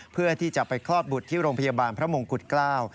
เพื่อที่จะไปคลอดบุตรที่โรงพยาบาลพระมงกุฎเกล้า